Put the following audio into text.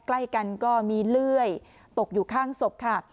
ใกล้กันก็มีเลื่อยตกอยู่ข้างศพค่ะ